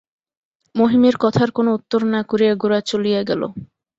মহিমের কথার কোনো উত্তর না করিয়া গোরা চলিয়া গেল।